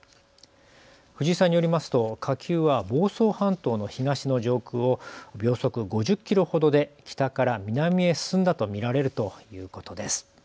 藤井さんによりますと火球は房総半島の東の上空を秒速５０キロほどで北から南へ進んだと見られるということです。